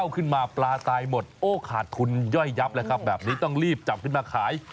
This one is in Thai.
โคตรขาดทุนย่อยยับแบบนี้ต้องรีบจับขึ้นมาขาย